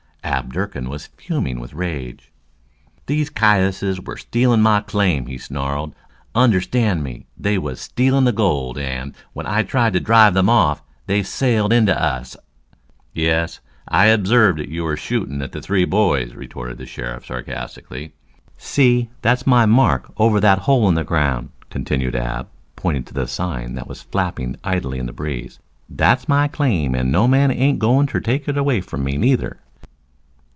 Ab Durkin was fuming with rage. "These cayuses was stealin' my claim," he snarled. "Understand me, they was stealin' the gold, and, when I tried to drive them off, they sailed into us " "Yes, I observed that you were shooting at three boys," retorted the sheriff, sarcastically. "See, thar's my mark over that hole in the ground," continued Ab pointing to the sign that was flapping idly in the breeze. "That's my claim and no man ain't goin' ter take it away from me, neither."